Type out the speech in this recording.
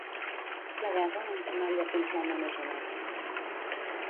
La guerra encanalla fins l'home més honest.